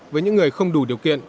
với những người không đủ điều kiện